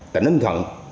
tỉnh ninh thuận